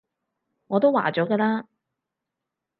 我都話咗嘅啦